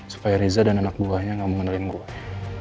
supaya riza dan anak buahnya gak mengenal gue